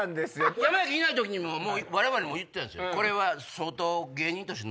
山崎いない時に我々言ってたんですよ。